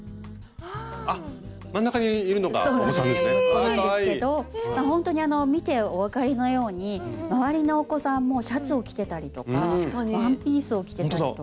息子なんですけどほんとに見てお分かりのように周りのお子さんもシャツを着てたりとかワンピースを着てたりとか。